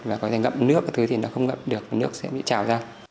và có thể gặp nước thì nó không gặp được nước sẽ bị trào ra